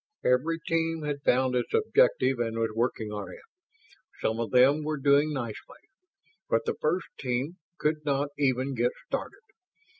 Every team had found its objective and was working on it. Some of them were doing nicely, but the First Team could not even get started.